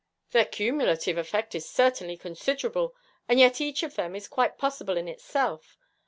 'Their cumulative effect is certainly considerable, and yet each of them is quite possible in itself.